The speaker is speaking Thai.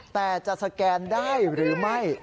แต่จะสแกนได้หรือไม่